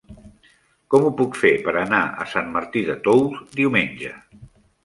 Com ho puc fer per anar a Sant Martí de Tous diumenge?